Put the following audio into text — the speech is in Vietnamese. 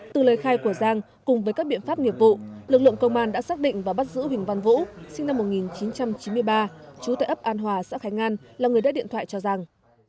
từ lời khai của giang cùng với các biện pháp nghiệp vụ lực lượng công an đã xác định và bắt giữ huỳnh văn vũ sinh năm một nghìn chín trăm chín mươi ba chú tại ấp an hòa xã khánh an là người đã điện thoại cho giang